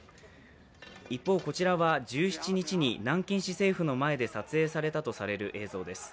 一方、こちらは１７日に南京市政府の前で撮影されたとされる映像です。